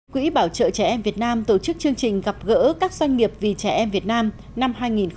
quỹ bảo trợ trẻ em việt nam tổ chức chương trình gặp gỡ các doanh nghiệp vì trẻ em việt nam năm hai nghìn một mươi chín